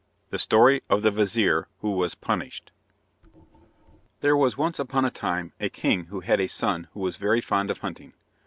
The Story of the Vizir Who Was Punished There was once upon a time a king who had a son who was very fond of hunting.